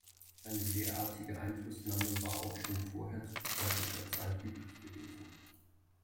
Eine derartige Einflussnahme war auch schon vorher zu preußischer Zeit üblich gewesen.